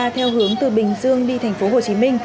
theo hướng từ bình dương đi tp hcm